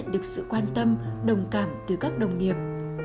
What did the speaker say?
được sự quan tâm đồng cảm từ các đồng nghiệp